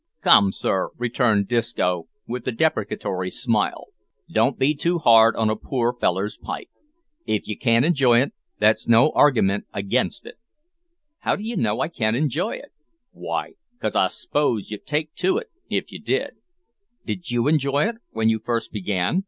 "Come, sir," returned Disco, with a deprecatory smile, "don't be too hard on a poor feller's pipe. If you can't enjoy it, that's no argiment against it." "How d'you know I can't enjoy it?" "Why? cos I s'pose you'd take to it if you did." "Did you enjoy it when you first began?"